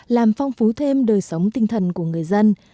làm phong phú thêm đời sống tinh thần của người dân